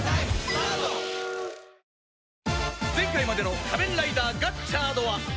前回までの『仮面ライダーガッチャード』は